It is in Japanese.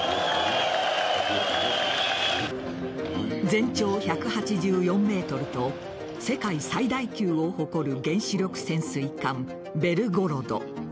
全長１８４ｍと世界最大級を誇る原子力潜水艦「ベルゴロド」